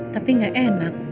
tapi gak enak